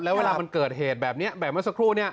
แล้วเวลามันเกิดเหตุแบบนี้แบบเมื่อสักครู่นี้